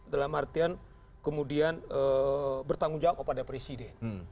dalam artian kemudian bertanggung jawab kepada presiden